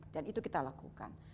dan itu kita lakukan